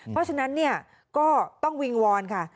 เพราะฉะนั้นก็ต้องวิงวอนค่ะ